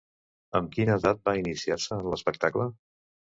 Amb quina edat va iniciar-se en l'espectacle?